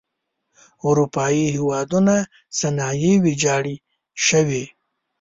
اروپايي هېوادونو صنایع ویجاړې شوئ.